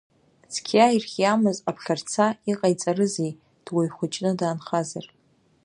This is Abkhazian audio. Цқьа ирхиамыз аԥхьарца, иҟаиҵарызеи, дуаҩ хәыҷны даанхазар?